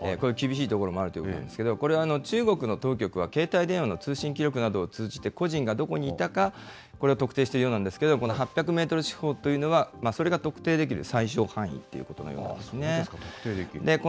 厳しいところがあるということなんですけど、これ、中国の当局は携帯電話の通信記録などを通じて、個人がどこにいたか、これを特定しているようなんですけれども、この８００メートル四方というのは、それが特定できる最少範囲ということのようなんですね。